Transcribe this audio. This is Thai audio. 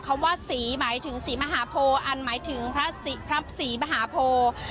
คำว่าศรีหมายถึงศรีมหาโพอันหมายถึงพระศรีมหาโพ